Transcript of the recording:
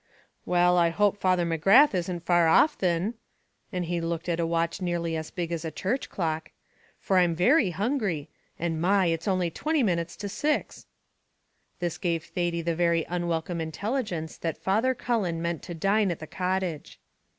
"Well, I hope Father McGrath isn't far off thin," and he looked at a watch nearly as big as a church clock, "for I'm very hungry, and, my! it's only twenty minutes to six " This gave Thady the very unwelcome intelligence that Father Cullen meant to dine at the cottage.